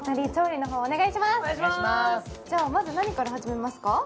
まず何から始めますか？